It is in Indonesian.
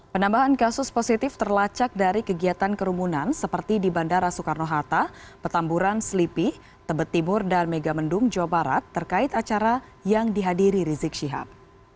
penambahan kasus positif terlacak dari kegiatan kerumunan seperti di bandara soekarno hatta petamburan selipi tebet timur dan megamendung jawa barat terkait acara yang dihadiri rizik syihab